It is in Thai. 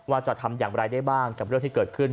ว่าจะทำอย่างไรได้บ้างกับเรื่องที่เกิดขึ้น